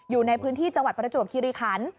อยู่ในพื้นที่จังหวัดประจวบคิริขัน